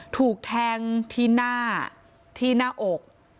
ถูกแทงที่หน้าที่หน้าอก